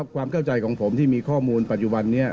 ความเข้าใจของผมที่มีข้อมูลปัจจุบันนี้